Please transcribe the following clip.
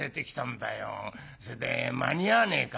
それで間に合わねえか」。